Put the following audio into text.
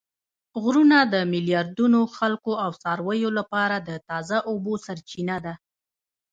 غرونه د میلیاردونو خلکو او څارویو لپاره د تازه اوبو سرچینه ده